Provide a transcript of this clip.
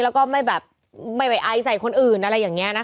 แล้วก็ไม่แบบไม่ไปไอใส่คนอื่นอะไรอย่างนี้นะคะ